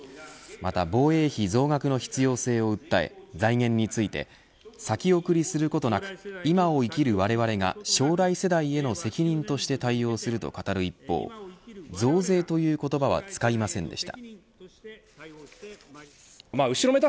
また、防衛費増額の必要性を訴え財源について先送りすることなく今を生きるわれわれが将来世代への責任として対応すると語る一方増税という言葉は使いませんでした。